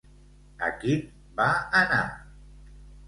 A quin va anar?